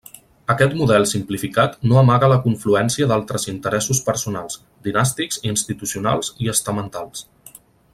Aquest model simplificat no amaga la confluència d'altres interessos personals, dinàstics, institucionals i estamentals.